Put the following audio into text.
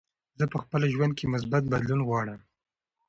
زه په خپل ژوند کې مثبت بدلون غواړم.